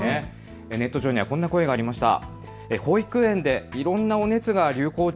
ネット上にはこんな声がありました。